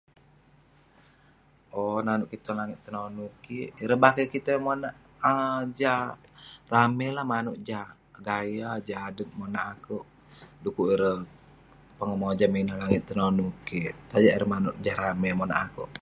Owk, nanouk kik tong langit tenonu kik, ireh bakeh kik tai monak um jah ramey lah, manouk jah gaya jah adet monak akouk, dekuk ireh pongah mojam ineh langit tenonu kik. Tajak ireh manouk jah ramey monak akouk.